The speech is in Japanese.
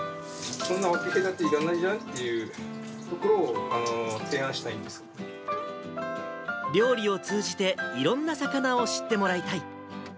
そんな分け隔てなんていらないじゃんっていうところを提案したい料理を通じて、いろんな魚を知ってもらいたい。